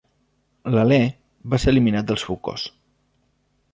L'alè va ser eliminat del seu cos.